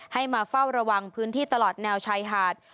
ให้มาเฝ้าระวังพื้นที่ตลอดแนวชายหาด